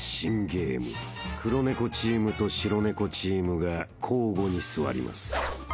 ［黒猫チームと白猫チームが交互に座ります］